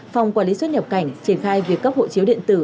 phòng quản lý xuất nhập cảnh triển khai việc cấp hộ chiếu điện tử